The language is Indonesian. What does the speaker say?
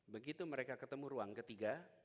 begitu mereka ketemu ruang ketiga